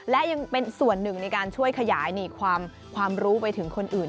และยังเป็นส่วนหนึ่งในการช่วยขยายความรู้ไปถึงคนอื่น